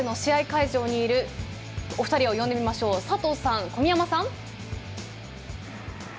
会場にいるお二人を呼んでみましょう佐藤さん、小宮山さん。